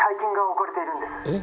えっ？